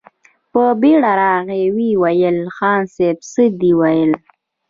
په بېړه راغی، ويې ويل: خان صيب! څه دې ويل؟